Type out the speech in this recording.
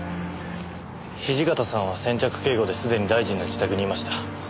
土方さんは先着警護で既に大臣の自宅にいました。